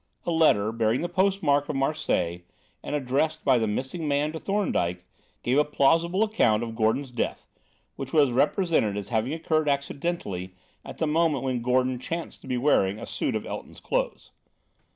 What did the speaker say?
A letter, bearing the post mark of Marseilles, and addressed by the missing man to Thorndyke, gave a plausible account of Gordon's death; which was represented as having occurred accidentally at the moment when Gordon chanced to be wearing a suit of Elton's clothes.